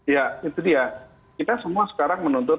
ya itu dia kita semua sekarang menuntut